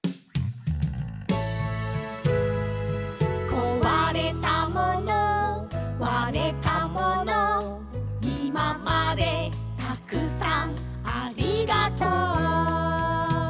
「壊れたもの割れたもの」「今までたくさんありがとう」